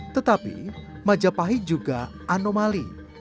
tetapi majapahit juga anomali